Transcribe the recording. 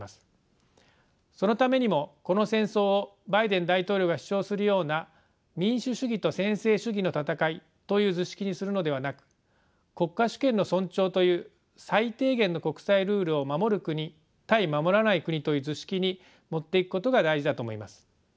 そのためにもこの戦争をバイデン大統領が主張するような民主主義と専制主義の戦いという図式にするのではなく国家主権の尊重という最低限の国際ルールを守る国対守らない国という図式に持っていくことが大事だと思います。